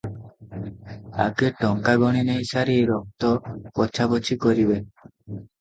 ଆଗେ ଟଙ୍କା ଗଣିନେଇ ସାରି ରକ୍ତ ପୋଛାପୋଛି କରିବେ ।